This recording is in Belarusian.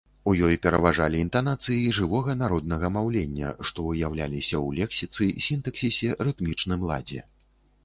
У ёй пераважалі інтанацыі жывога народнага маўлення, што выяўляліся ў лексіцы, сінтаксісе, рытмічным ладзе.